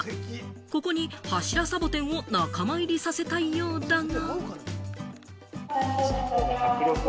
ここに柱サボテンを仲間入りさせたいようだが。